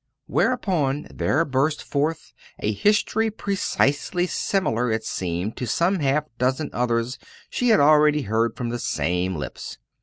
Whereupon there burst forth a history precisely similar it seemed to some half dozen others she had already heard from the same lips.